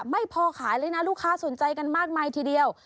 ไม่พอขายเลยนะลูกค้าสนใจกันมากมายทีเดียว